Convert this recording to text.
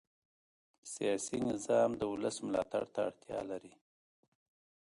سیاسي نظام د ولس ملاتړ ته اړتیا لري